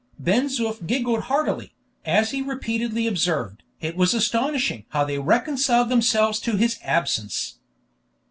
Ben Zoof giggled heartily, as he repeatedly observed "it was astonishing how they reconciled themselves to his absence."